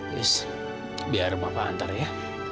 wis biar bapak antar ya